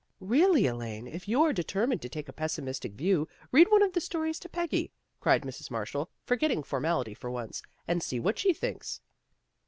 " Really, Elaine, if you are determined to take a pessimistic view, read one of the stories to Peggy," cried Mrs. Marshall, forgetting formality for once, " and see what she thinks."